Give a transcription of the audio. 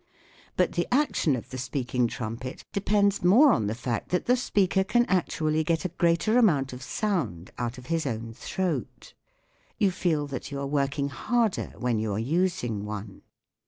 But the action of the speaking trumpet depends more on the fact that the speaker can actually get a greater amount of sound out of his own throat. You feel that you are working harder when you are using one.